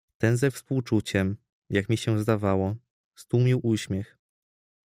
"Ten ze współczuciem, jak mi się zdawało, stłumił uśmiech."